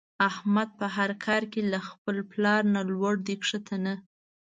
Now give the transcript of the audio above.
احمد په هر کار کې له خپل پلار نه لوړ دی ښکته نه.